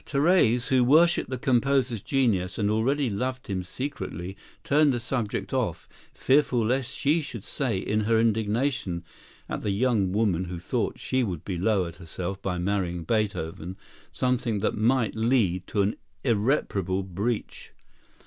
Therese, who worshipped the composer's genius and already loved him secretly, turned the subject off, fearful lest she should say, in her indignation at the young woman who thought she would be lowering herself by marrying Beethoven, something that might lead to an irreparable breach.